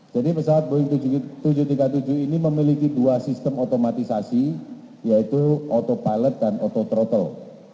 pesawat boeing tujuh ratus tiga puluh tujuh ini memiliki dua sistem otomatisasi yaitu autopilot dan autothrottle